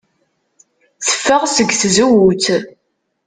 Teffeɣ seg tzewwut.